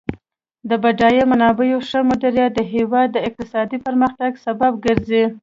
د بډایه منابعو ښه مدیریت د هیواد د اقتصادي پرمختګ سبب ګرځي.